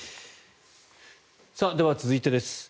では、続いてです。